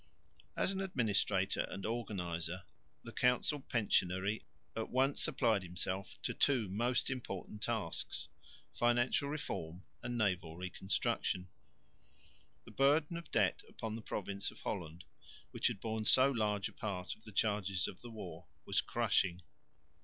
As an administrator and organiser the council pensionary at once applied himself to two most important tasks, financial reform and naval reconstruction. The burden of debt upon the province of Holland, which had borne so large a part of the charges of the war, was crushing.